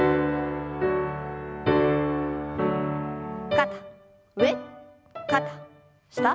肩上肩下。